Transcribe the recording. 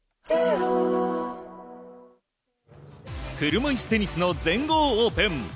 車いすテニスの全豪オープン。